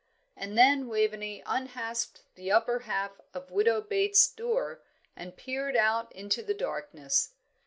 And then Waveney unhasped the upper half of Widow Bates's door, and peered out into the darkness.